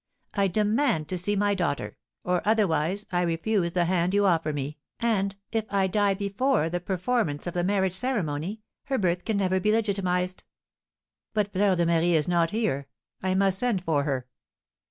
I demand to see my daughter, or otherwise I refuse the hand you offer me, and, if I die before the performance of the marriage ceremony, her birth can never be legitimised!" "But Fleur de Marie is not here; I must send for her."